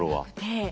ええ。